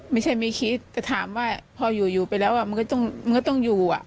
ไม่ใช่ไม่คิดแต่ถามว่าพออยู่ไปแล้วมันก็ต้องอยู่